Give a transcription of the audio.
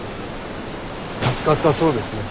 助かったそうですね。